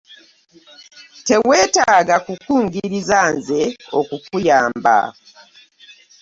Teweetaaga kungulirira nze okukuyamba.